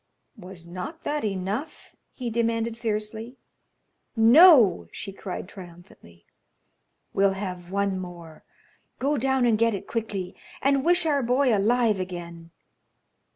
"Was not that enough?" he demanded, fiercely. "No," she cried, triumphantly; "we'll have one more. Go down and get it quickly, and wish our boy alive again."